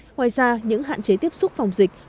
ngoài ra những hạn chế tiếp xúc phòng dịch